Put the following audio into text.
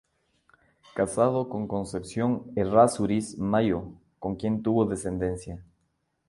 Casado con Concepción Errázuriz Mayo, con quien tuvo descendencia.